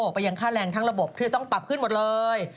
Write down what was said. ไปยังค่าแรงทั้งระบบที่จะต้องปรับขึ้นหมดเลย